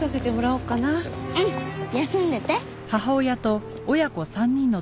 うん休んでて。